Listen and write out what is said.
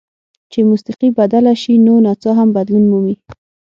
چې موسیقي بدله شي نو نڅا هم بدلون مومي.